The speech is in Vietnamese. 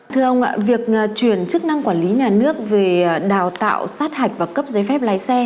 thưa ông ạ việc chuyển chức năng quản lý nhà nước về đào tạo sát hạch và cấp giấy phép lái xe